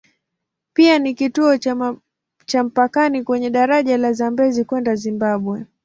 Pia ni kituo cha mpakani kwenye daraja la Zambezi kwenda Zimbabwe.